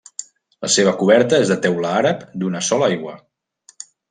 La seva coberta és de teula àrab d'una sola aigua.